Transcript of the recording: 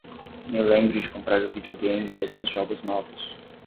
Me lembre de comprar o videogame e alguns jogos novos